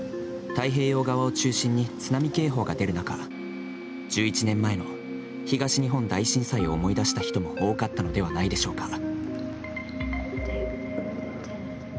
太平洋側を中心に津波警報が出る中、１１年前の東日本大震災を思い出した人も多かったのではないでしょうか。